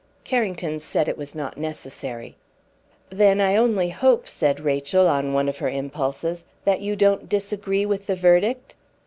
Carrington said it was not necessary. "Then I only hope," said Rachel, on one of her impulses, "that you don't disagree with the verdict?"